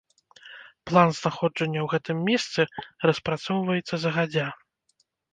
План знаходжання ў гэтым месцы распрацоўваецца загадзя.